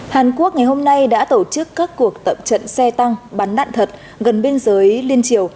hàn quốc ngày hôm nay đã tổ chức các cuộc tập trận xe tăng bắn đạn thật gần biên giới liên triều